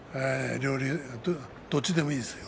どっちでもいいですよ。